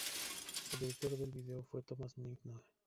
El director del video fue Thomas Mignone.